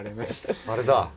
あれだ。